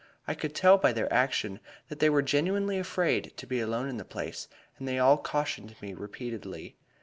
I could tell by their action that they were genuinely afraid to be alone in the place, and they all cautioned me repeatedly.